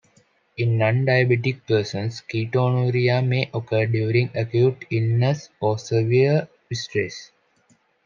In non-diabetic persons, ketonuria may occur during acute illness or severe stress.